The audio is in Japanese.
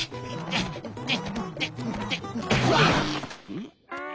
うん？